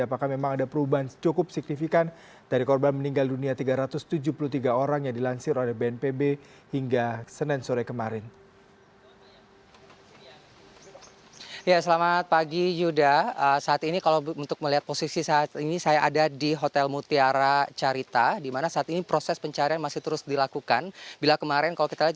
apakah memang ada perubahan cukup signifikan dari korban meninggal dunia tiga ratus tujuh puluh tiga orang yang dilansir oleh bnpb hingga senin sore kemarin